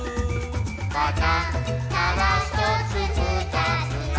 「また、ただひとつふたつなど、」